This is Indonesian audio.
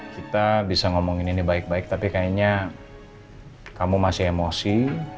kita bisa ngomongin ini baik baik tapi kayaknya kamu masih emosi